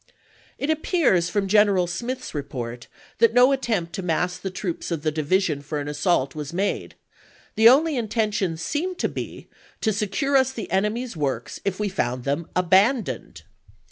It appears from General Smith's report that no attempt to mass the troops of the division for an assault was made; the only intention seemed to be " to secure to us the enemy's works if we found them abandoned!